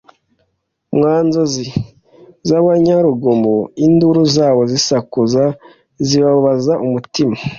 mwa nzozi zabanyarugomo induru zabo zisakuza zibabaza umutima